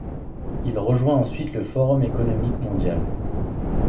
Il rejoint ensuite le Forum économique mondial.